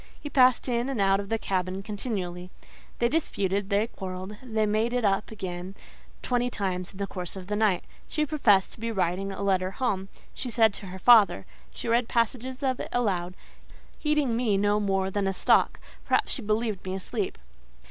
He passed in and out of the cabin continually: they disputed, they quarrelled, they made it up again twenty times in the course of the night. She professed to be writing a letter home—she said to her father; she read passages of it aloud, heeding me no more than a stock—perhaps she believed me asleep.